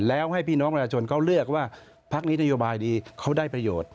แล้วให้พี่น้องประชาชนเขาเลือกว่าพักนี้นโยบายดีเขาได้ประโยชน์